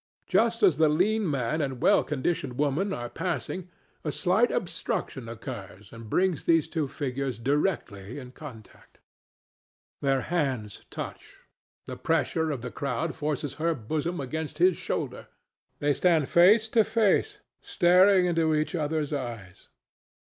Just as the lean man and well conditioned woman are passing a slight obstruction occurs and brings these two figures directly in contact. Their hands touch; the pressure of the crowd forces her bosom against his shoulder; they stand face to face, staring into each other's eyes.